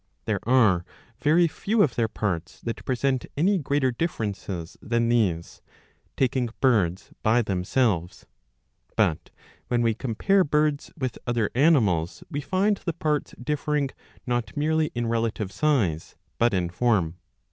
There are very few of their parts that present any greater differences than these, taking birds by 692 b. 9 130 iv. 12. themselves,^ But, when we compare birds with other animals, we find the parts differing not merely in relative size but in form.